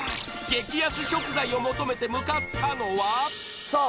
激安食材を求めて向かったのはさあ